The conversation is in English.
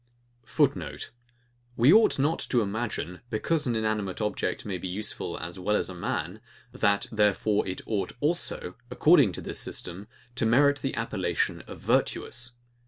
[Footnote: We ought not to imagine, because an inanimate object may be useful as well as a man, that therefore it ought also, according to this system, to merit he appellation of VIRTUOUS.